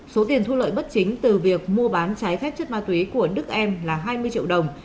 số tiền thu lợi bất chính từ việc mua bán trái phép chất ma túy của đức em là hai mươi triệu đồng